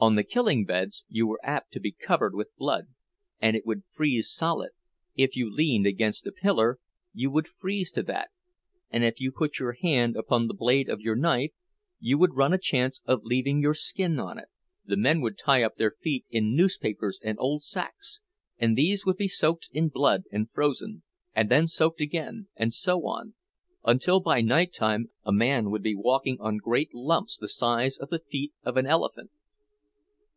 On the killing beds you were apt to be covered with blood, and it would freeze solid; if you leaned against a pillar, you would freeze to that, and if you put your hand upon the blade of your knife, you would run a chance of leaving your skin on it. The men would tie up their feet in newspapers and old sacks, and these would be soaked in blood and frozen, and then soaked again, and so on, until by nighttime a man would be walking on great lumps the size of the feet of an elephant.